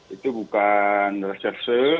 itu bukan resepse